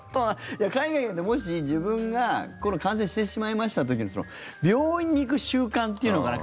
いや海外でもし、自分がコロナに感染してしまいましたという時の病院に行く習慣というのかな。